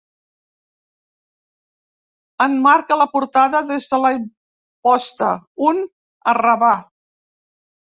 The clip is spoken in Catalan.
Emmarca la portada, des de la imposta, un arrabà.